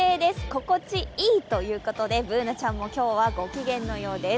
心地いいということで、Ｂｏｏｎａちゃんも今日はご機嫌のようです。